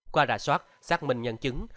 qua rà soát xác minh nhân chứng